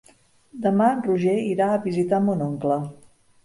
Demà en Roger irà a visitar mon oncle.